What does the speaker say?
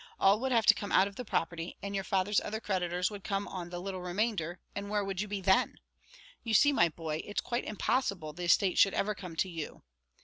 All would have to come out of the property; and your father's other creditors would come on the little remainder, and where would you be then? You see, my boy, it's quite impossible the estate should ever come to you.